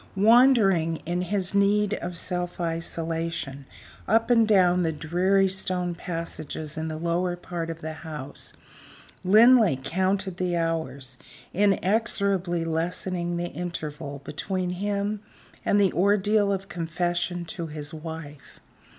Wandering, in his need of self isolation, up and down the dreary stone passages in the lower part of the house, Linley counted the hours, inexorably lessening the interval between him and the ordeal of confession to his wife.